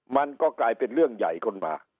มันก็กลายเป็นเรื่องใหญ่ขึ้นมา